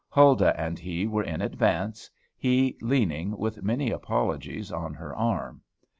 Huldah and he were in advance, he leaning, with many apologies, on her arm.